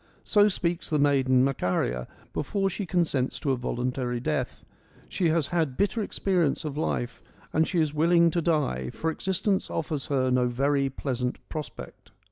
So speaks the maiden Macaria before she consents to a voluntary death. She has had bitter experience of life and she is willing to die, for existence offers her no very pleasant prospect.